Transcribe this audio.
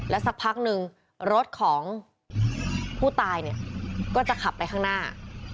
สักพักหนึ่งรถของผู้ตายเนี่ยก็จะขับไปข้างหน้า